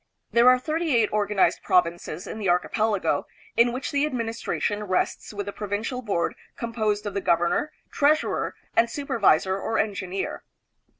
There are thirty eight organized provinces in the archipelago, in which the ad ministration rests with the Provincial Board composed of the governor, treasurer, and supervisor or engineer.